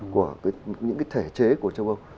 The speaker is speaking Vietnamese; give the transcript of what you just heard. của những cái thể chế của châu âu